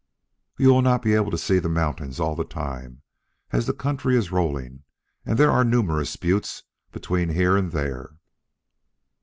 You will not be able to see the mountains all the time, as the country is rolling and there are numerous buttes between here and there."